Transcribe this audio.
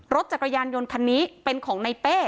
รถจักรยานยนต์คันนี้เป็นของในเป้